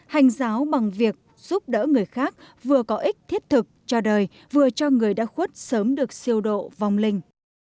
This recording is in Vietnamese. hành giáo bằng việc giúp đỡ người khác vừa có ích thiết thực cho đời vừa cho người đã khuất sớm được siêu độ vong linh